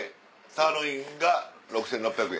サーロインが６６００円。